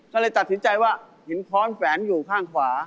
ก็เลยตัดสินใจว่าหินค้อนแฝนอยู่ข้างขวา